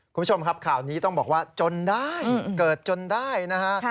คุณผู้ชมครับข่าวนี้ต้องบอกว่าจนได้เกิดจนได้นะฮะ